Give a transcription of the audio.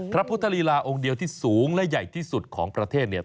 พระพุทธลีลาองค์เดียวที่สูงและใหญ่ที่สุดของประเทศเนี่ย